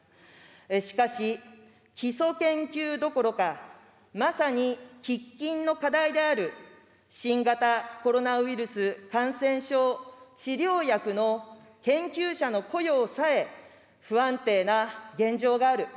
しかし、基礎研究どころか、まさに喫緊の課題である新型コロナウイルス感染症治療薬の研究者の雇用さえ、不安定な現状がある。